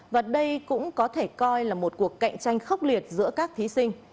và đây cũng có thể coi là một cuộc cạnh tranh khốc liệt giữa các thí sinh